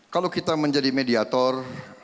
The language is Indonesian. kalau kita menjadi mediator